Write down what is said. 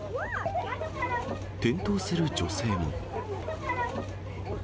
転倒する女性も。